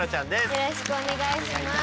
よろしくお願いします。